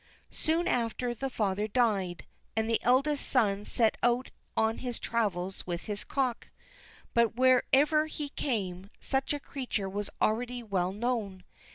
Soon after, the father died, and the eldest son set out on his travels with his cock, but wherever he came, such a creature was already well known.